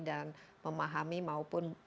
dan memahami maupun